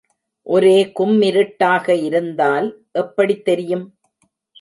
ஒரே கும்மிருட்டாக இருந்தால் எப்படித் தெரியும்?